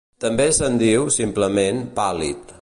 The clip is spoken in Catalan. També se'n diu, simplement, pàl·lid.